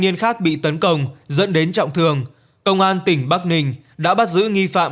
niên khác bị tấn công dẫn đến trọng thường công an tỉnh bắc ninh đã bắt giữ nghi phạm